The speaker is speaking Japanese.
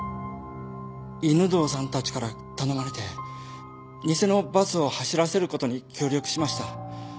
犬堂さんたちから頼まれて偽のバスを走らせることに協力しました。